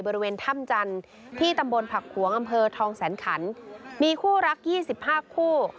บริเวณถ้ำจันทร์ที่ตำบลผักขวงอำเภอทองแสนขันมีคู่รัก๒๕คู่